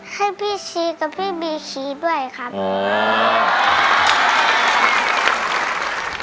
ให้พี่ชี้กับพี่บีชีด้วยครับ